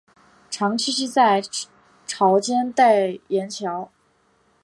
常栖息在潮间带岩礁。